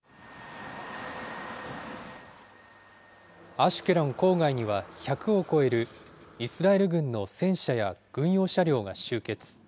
アシュケロン郊外には、１００を超えるイスラエル軍の戦車や軍用車両が集結。